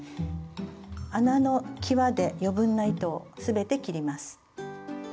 穴のきわで余分な糸をすべて切ります。